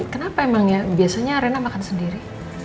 kenapa emang ya biasanya arena makan sendiri